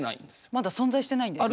まだ存在してないんですね。